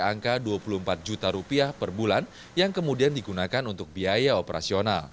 dan cacahan plastik daur ulang ini dapat mencapai angka dua puluh empat juta rupiah per bulan yang kemudian digunakan untuk biaya operasional